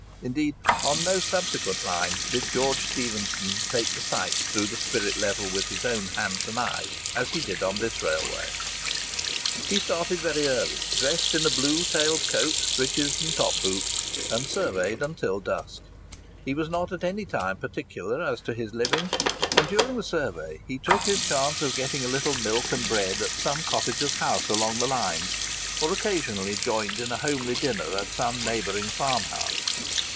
Indeed on no subsequent line did George Stephenson take the sights through the spirit level with his own hands and eyes as he did on this railway. He started very early—dressed in a blue tailed coat, breeches, and top boots—and surveyed until dusk. He was not at any time particular as to his living; and during the survey, he took his chance of getting a little milk and bread at some cottager's house along the line, or occasionally joined in a homely dinner at some neighbouring farmhouse.